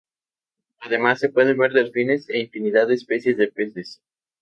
Además, se pueden ver delfines e infinidad de especies de peces.